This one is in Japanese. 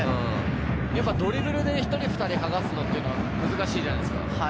ドリブルで１人・２人はがすのは難しいじゃないですか。